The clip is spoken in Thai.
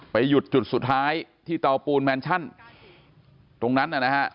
หยุดจุดสุดท้ายที่เตาปูนแมนชั่นตรงนั้นนะฮะ